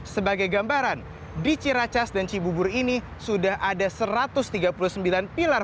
sebagai gambaran di ciracas dan cibubur ini sudah ada satu ratus tiga puluh sembilan pilar